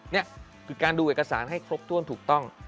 นี่คือการดูเอกสารให้ครบถ้วนถูกต้อง